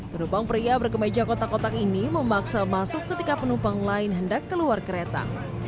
penumpang pria berkemeja kotak kotak ini memaksa masuk ketika penumpang lain hendak keluar kereta